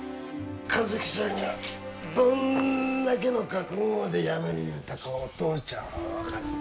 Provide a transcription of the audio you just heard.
和希ちゃんがどんだけの覚悟でやめる言うたかお父ちゃんは分かる。